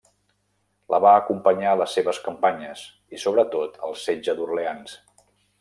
La va acompanyar a les seves campanyes, i sobretot al setge d'Orleans.